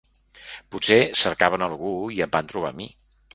Potser cercaven algú i em van trobar a mi.